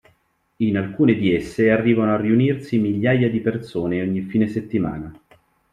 In alcune di esse, arrivano a riunirsi migliaia di persone ogni fine settimana.